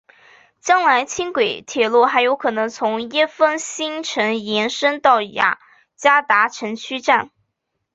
将来轻轨铁路还有可能从椰风新城延伸到雅加达城区站。